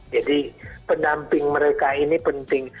jadi pendamping mereka ini penting